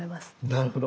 なるほど。